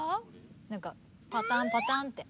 何かパタンパタンって。